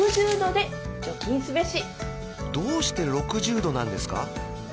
どうして６０℃なんですか？